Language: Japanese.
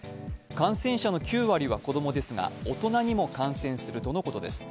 感染者の９割は子供ですが、大人にも感染するとのことです。